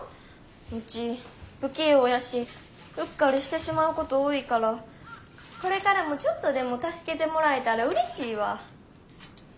ウチ不器用やしうっかりしてしまうこと多いからこれからもちょっとでも助けてもらえたらうれしいわ。